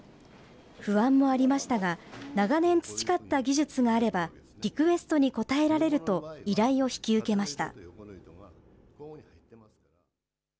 不安もありましたが、長年培った技術があれば、リクエストに応えられると、依頼を引き受けました。